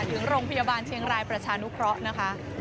ถึงโรงพยาบาลเชียงรายประชานุเคราะห์นะคะ